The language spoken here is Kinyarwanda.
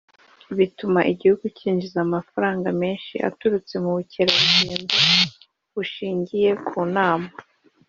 bituma igihugu cyinjiza amafaranga menshi aturutse mu bukerarugendo bushingiye ku nama